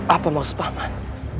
apa maksud pak paman